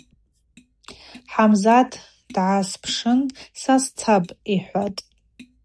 Хӏамзат дгӏаспшын: – Са сцапӏ, – йхӏватӏ.